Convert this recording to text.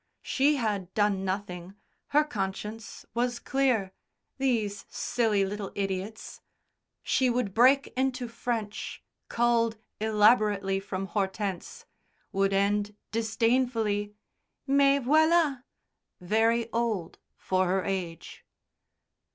She had done nothing her conscience was clear. These silly little idiots. She would break into French, culled elaborately from Hortense, would end disdainfully "mais, voilà," very old for her age.